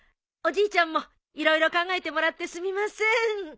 おじいちゃんも色々考えてもらってすみません。